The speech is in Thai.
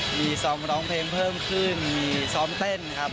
มีซ้อมร้องเพลงเพิ่มขึ้นมีซ้อมเต้นครับ